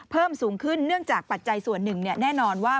เพิ่มสูงขึ้นเนื่องจากปัจจัยส่วนหนึ่งแน่นอนว่า